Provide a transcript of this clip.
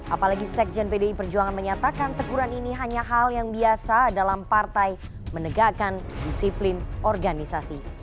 apalagi sekjen pdi perjuangan menyatakan teguran ini hanya hal yang biasa dalam partai menegakkan disiplin organisasi